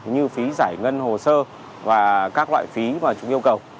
như phí giải ngân hồ sơ và các loại phí mà chúng yêu cầu